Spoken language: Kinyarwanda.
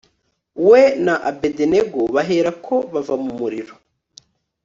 we na abedenego baherako bava mu muriro